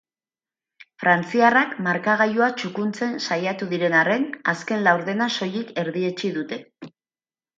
Frantziarrak markagailua txukuntzen saiatu diren arren, azken laurdena soilik erdietsi dute.